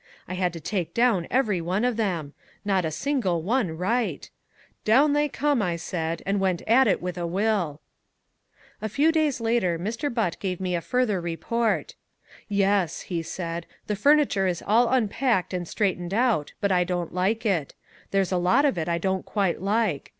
I had to take down every one of them not a single one right, 'Down they come,' I said, and went at it with a will." A few days later Mr. Butt gave me a further report. "Yes," he said, "the furniture is all unpacked and straightened out but I don't like it. There's a lot of it I don't quite like.